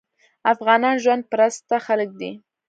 افغانان ژوند پرسته خلک دي.